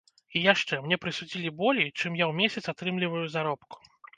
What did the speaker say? І яшчэ, мне прысудзілі болей, чым я ў месяц атрымліваю заробку.